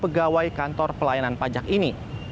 pegawai kantor pelayanan pajak ini